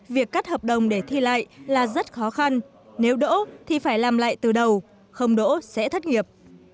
việc cắt hợp đồng để thi lại là rất khó khăn nếu đỗ thì phải làm lại từ đầu không đỗ sẽ thất nghiệp